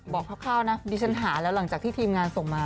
คร่าวนะดิฉันหาแล้วหลังจากที่ทีมงานส่งมา